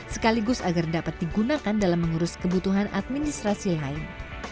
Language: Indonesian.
sekaligus agar dapat digunakan dalam mengurus kebutuhan administrasi lain